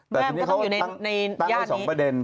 แม่มันก็ต้องอยู่ในญาตินี้